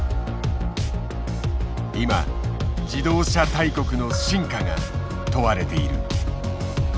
今自動車大国の真価が問われている。